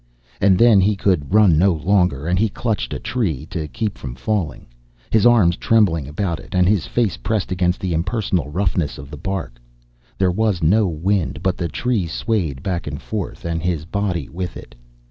And then, he could run no longer, and he clutched a tree to keep from falling, his arms trembling about it, and his face pressed against the impersonal roughness of the bark. There was no wind, but the tree swayed back and forth and his body with it.